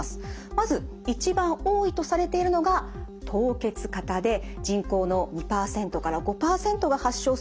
まず一番多いとされているのが凍結肩で人口の２５％が発症すると報告されています。